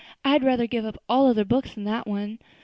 I had rather give up all other books than that one.